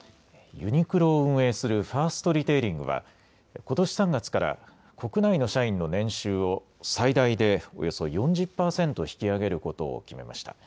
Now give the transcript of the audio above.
ユニクロを運営するファーストリテイリングはことし３月から国内の社員の年収を最大でおよそ４０％引き上げることを決めました。